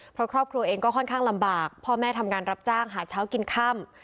เพราะครอบครัวเองก็ค่อนข้างลำบากพ่อแม่ทำงานรับจ้างหาเช้ากินค่ำ